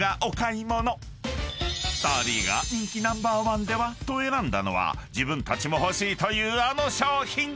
［２人が人気ナンバーワンでは？と選んだのは自分たちも欲しいというあの商品！］